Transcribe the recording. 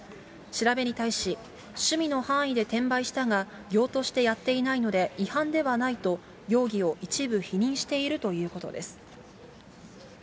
調べに対し、趣味の範囲で転売したが、業としてやっていないので違反ではないと、容疑を一部否認しているということです。